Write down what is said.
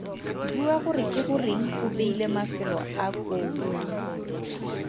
Bua gore ke goreng o beile mafelo a koo.